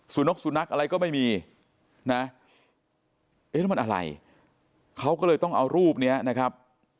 นกสุนัขอะไรก็ไม่มีนะเอ๊ะแล้วมันอะไรเขาก็เลยต้องเอารูปเนี้ยนะครับ